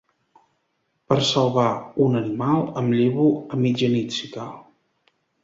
Per salvar un animal, em llevo a mitjanit, si cal!